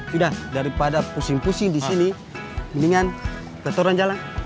sudah daripada pusing pusing di sini mendingan keturunan jalan